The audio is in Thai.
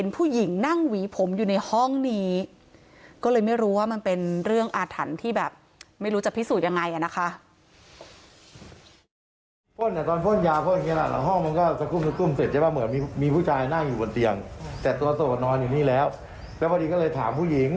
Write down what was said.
ผู้หญิงนั่งหวีผมอยู่ในห้องนี้ก็เลยไม่รู้ว่ามันเป็นเรื่องอาถรรพ์ที่แบบไม่รู้จะพิสูจน์ยังไงอ่ะนะคะ